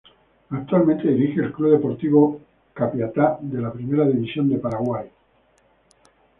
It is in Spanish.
Actualmente dirige al club Deportivo Capiatá de la Primera División de Paraguay.